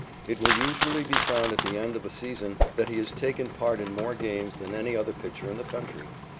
It will usually be found at the end of a season that he has taken part in more games than any other pitcher in the country.